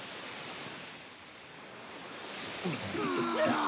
ああ。